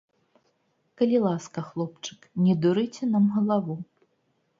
Калі ласка, хлопчык, не дурыце нам галаву!